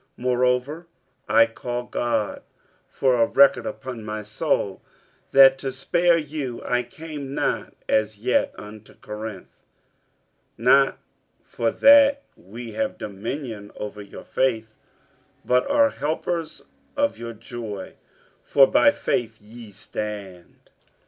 47:001:023 Moreover I call God for a record upon my soul, that to spare you I came not as yet unto Corinth. 47:001:024 Not for that we have dominion over your faith, but are helpers of your joy: for by faith ye stand.